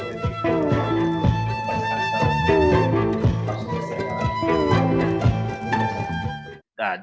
jangan lupa jangan lupa jangan lupa